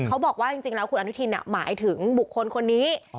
เขาบอกว่าจริงแล้วคุณอนุทินหมายถึงบุคคลคนนี้